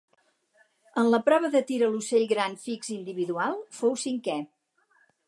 En la prova de tir a l'ocell gran fix individual fou cinquè.